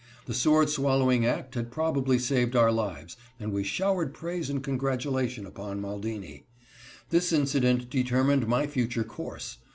The sword swallowing act had probably saved our lives, and we showered praise and congratulation upon Maldini. This incident determined my future course.